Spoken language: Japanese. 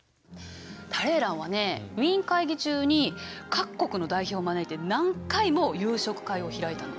タレーランはねウィーン会議中に各国の代表を招いて何回も夕食会を開いたの。